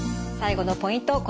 最後のポイント